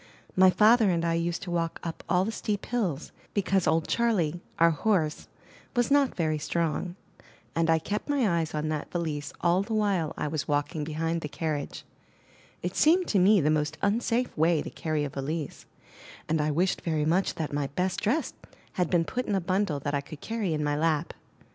My father and I used to walk up all the steep hills, because old Charley, our horse, was not very strong; and I kept my eyes on that valise all the while I was walking behind the carriage; it seemed to me the most unsafe way to carry a valise, and I wished very much that my best dress had been put in a bundle that I could carry in my lap.